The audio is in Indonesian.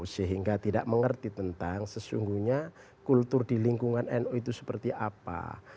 sehingga tidak mengerti tentang sesungguhnya kultur di lingkungan nu itu seperti apa